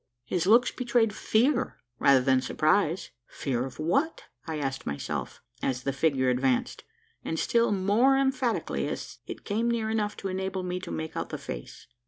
His looks betrayed fear, rather than surprise! "Fear of what?" I asked myself, as the figure advanced; and still more emphatically as it came near enough to enable me to make out the face.